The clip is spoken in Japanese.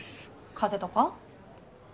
風邪とか？